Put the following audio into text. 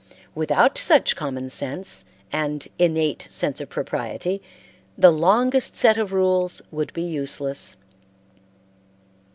Without such common sense and innate sense of propriety, the longest set of rules would be useless.